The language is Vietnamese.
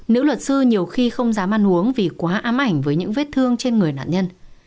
nếu luật sư nhiều khi không dám ăn uống vì quá ám ảnh với những vết thương trên người nạn nhân